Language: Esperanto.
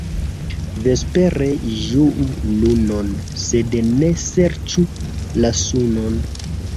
Vespere ĝuu lunon, sed ne serĉu la sunon.